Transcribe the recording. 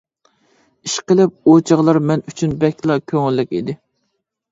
ئىشقىلىپ ئۇ چاغلار مەن ئۈچۈن بەكلا كۆڭۈللۈك ئىدى.